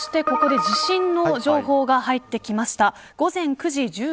そして、ここで地震の情報が入ってきました。